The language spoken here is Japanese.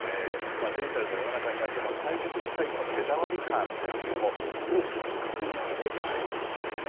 デジタルの世の中になっても大切にしたいこの手触り感ですけれども、それを錯覚によって得られるかもしれない。